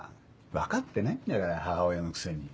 分かってないんだから母親のくせに。